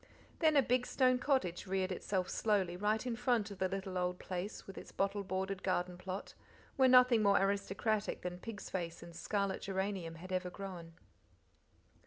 Then a big stone cottage reared itself slowly right in front of the little old place with its bottle bordered garden plot, where nothing more aristocratic than pig's face and scarlet geranium had ever grown.